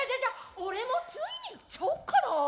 俺もついに言っちゃおうかなあ。